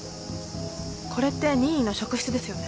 これって任意の職質ですよね？